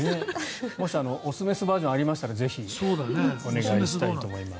もし雄雌バージョンがありましたらぜひお願いしたいと思います。